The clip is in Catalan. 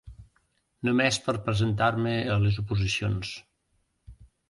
Només per presentar-me a les oposicions.